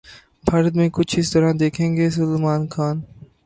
بھارت 'میں کچھ اس طرح دکھیں گے سلمان خان'